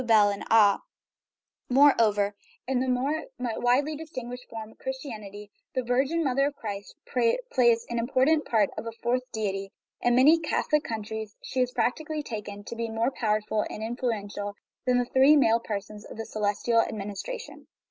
283 THE RIDDLE OF THE UNIVERSE Moreover, in the most widely distributed form of Chris tianity the " virgin " mother of Christ plays an impor tant part as a fourth deity ; in many Catholic countries she is practically taken to be much more powerful and influential than the three male persons of the celestial administration.